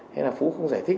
thế là phú không giải thích